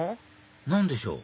何でしょう？